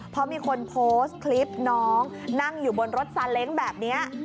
เพราะมีคนโพสต์คลิปน้องนั่งอยู่บนรถซาเล้งแบบนี้